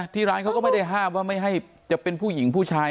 ที่ร้านเขาก็ไม่ได้ห้ามว่าไม่ให้จะเป็นผู้หญิงผู้ชาย